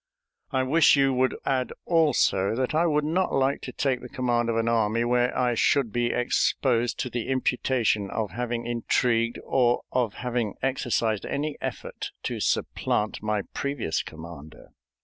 I wish you would add also that I would not like to take the command of an army where I should be exposed to the imputation of having intrigued or of having exercised any effort to supplant my previous commander."